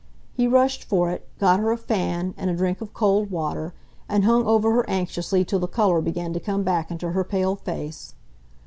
He rushed for it, got her a fan and a drink of cold water, and hung over her anxiously till the color began to come back into her pale face.